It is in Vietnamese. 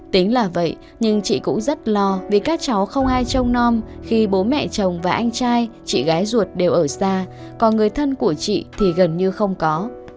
tính là vậy nhưng chị cũng rất lo vì các cháu không ai trông non khi bố mẹ chồng và anh trai chị gái ruột đều ở xa còn người thân của chị thì gần như không có